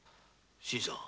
新さん！